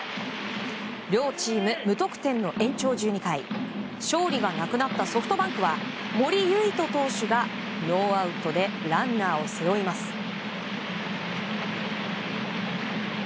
両チーム無得点の延長１２回勝利がなくなったソフトバンクは森唯斗投手がノーアウトでランナーを背負います。